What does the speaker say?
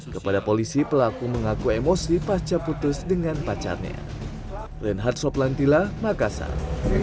kepada polisi pelaku mengaku emosi pasca putus dengan pacarnya renhard soplantila makassar